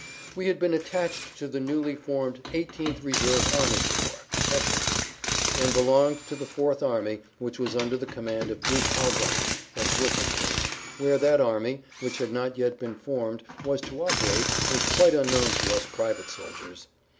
We had been attached to the newly formed 18th Reserve Army Corps (Hessians) and belonged to the Fourth Army which was under the command of Duke Albrecht of Wurttemberg. Where that army, which had not yet been formed, was to operate was quite unknown to us private soldiers.